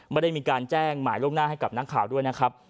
ไม่ได้มีการแจ้งหมายล่วงหน้าให้กับนักข่าวด้วยนะครับ